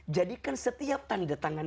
jadikan setiap tanda tangan